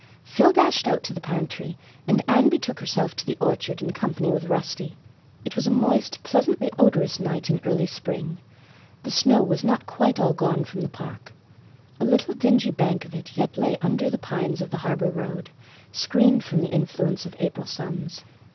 Phil dashed out to the pantry and Anne betook herself to the orchard in company with Rusty. It was a moist, pleasantly odorous night in early spring. The snow was not quite all gone from the park; a little dingy bank of it yet lay under the pines of the harbor road, screened from the influence of April suns.